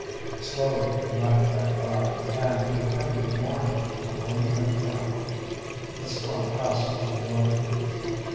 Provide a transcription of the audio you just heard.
Slowly the night dragged by, and, with the coming of morning, the wind went down, the storm passing to the northward.